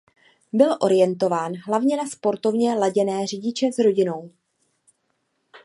Byl orientován hlavně na sportovně laděné řidiče s rodinou.